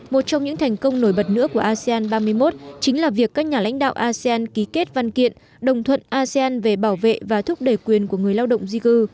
một trong những thành công nổi bật nữa của asean ba mươi một chính là việc các nhà lãnh đạo asean ký kết văn kiện đồng thuận asean về bảo vệ và thúc đẩy quyền của người lao động di cư